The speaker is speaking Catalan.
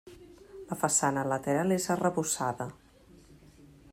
La façana lateral és arrebossada.